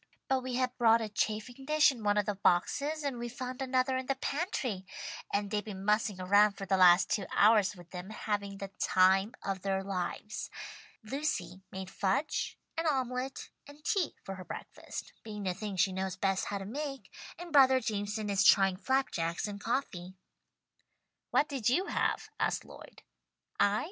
But we had brought a chafing dish in one of the boxes, and we found another in the pantry, and they've been mussing around for the last two hours with them, having the time of their lives. Lucy made fudge and omelette and tea for her breakfast, being the things she knows best how to make, and brother Jameson is trying flap jacks and coffee." "What did you have?" asked Lloyd. "I?